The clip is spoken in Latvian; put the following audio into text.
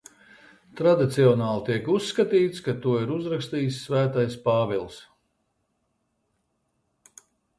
Tradicionāli tiek uzskatīts, ka to ir uzrakstījis Svētais Pāvils.